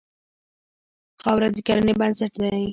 خاوره د کرنې بنسټ دی.